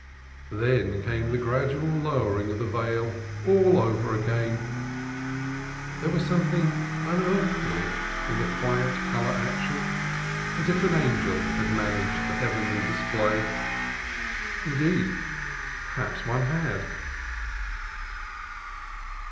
Then came the gradual lowering of the veil again over all. There was something unearthly in the quiet color action, as if an angel had managed the heavenly display. Indeed, perhaps one had.